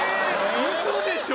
ウソでしょ！？